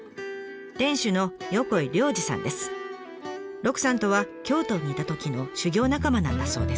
鹿さんとは京都にいたときの修業仲間なんだそうです。